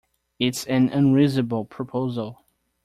It's an unreasonable proposal!